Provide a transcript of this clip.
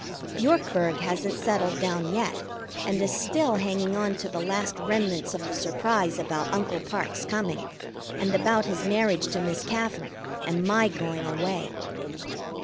Yorkburg hasn't settled down yet, and is still hanging on to the last remnants of the surprise about Uncle Parke's coming, and about his marriage to Miss Katherine and my going away.